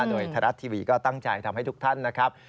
โดยไทยรัฐทีวีก็ตั้งใจทำให้ทุกท่านนะครับ